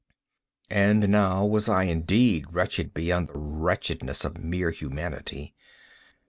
And now was I indeed wretched beyond the wretchedness of mere Humanity.